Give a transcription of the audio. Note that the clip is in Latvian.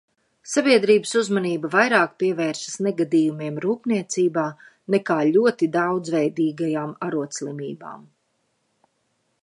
Sabiedrības uzmanība vairāk pievēršas negadījumiem rūpniecībā nekā ļoti daudzveidīgajām arodslimībām.